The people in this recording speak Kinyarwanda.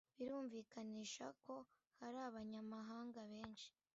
Birumvikanisha ko hari abanyamahanga benshi